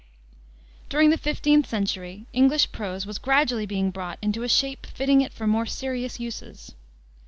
During the 15th century English prose was gradually being brought into a shape fitting it for more serious uses.